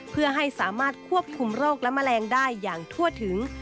เพื่อให้สามารถควบคุมโรคและแมลงได้อย่างทั่วถึง